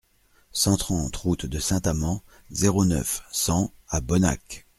cent trente route de Saint-Amans, zéro neuf, cent à Bonnac